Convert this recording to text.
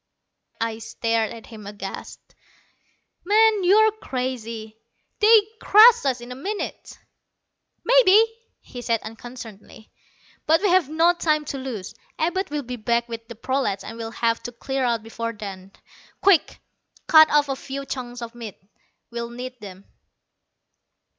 I stared at him aghast. "Man, you're crazy. They'd crush us in a minute!" "Maybe," he said unconcernedly. "But we have no time to lose. Abud will be back with the prolats, and we'll have to clear out before then. Quick cut off a few chunks of meat. We'll need them."